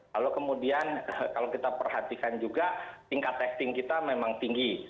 lalu kemudian kalau kita perhatikan juga tingkat testing kita memang tinggi